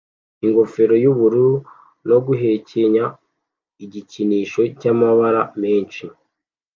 ingofero yubururu no guhekenya igikinisho cyamabara menshi